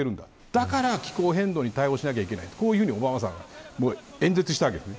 だから、気候変動に対応しなければいけないとオバマさんが演説したわけです。